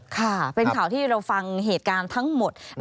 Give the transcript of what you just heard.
ค่ะเป็นข่าวที่เราฟังเหตุการณ์ทั้งหมด